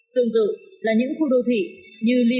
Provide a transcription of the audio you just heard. tương tự là những khu đô thị như liên hợp